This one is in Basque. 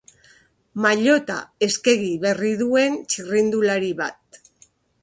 Maillota eskegi berri duen txirrindulari bat.